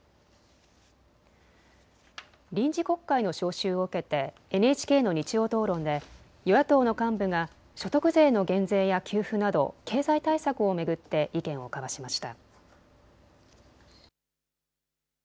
臨時国会の召集を受けてＮＨＫの日曜討論で与野党の幹部が所得税の減税や給付など経済対策を巡って意見を交わしました。